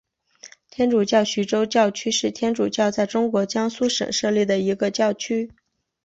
天主教徐州教区是天主教在中国江苏省设立的一个教区。